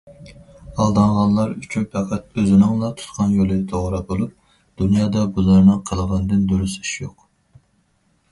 ئالدانغانلار ئۈچۈن پەقەت ئۆزىنىڭلا تۇتقان يولى توغرا بولۇپ، دۇنيادا بۇلارنىڭ قىلغىنىدىن دۇرۇس ئىش يوق.